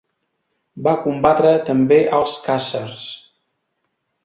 Va combatre també als khàzars.